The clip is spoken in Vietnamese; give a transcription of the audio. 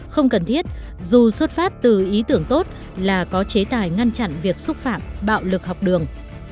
không cần thiết dù xuất phát từ ý tưởng tốt là có chế tài ngăn chặn việc xúc phạm bạo lực học đường